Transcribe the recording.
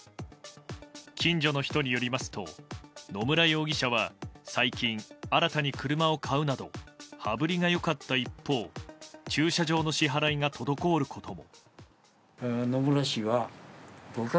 近所の人によりますと野村容疑者は最近、新たに車を買うなど羽振りが良かった一方駐車場の支払いが滞ることも。